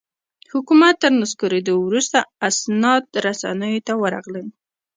حکومت تر نسکورېدو وروسته اسناد رسنیو ته ورغلل.